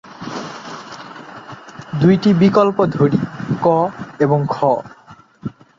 দুইটি বিকল্প ধরি, ক এবং খ।